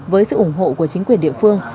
với sự ủng hộ của chính quyền địa phương